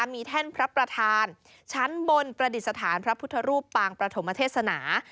มีแท่นพระประธานชั้นบนประดิษฐานพระพุทธรูปปางประถมเทศนา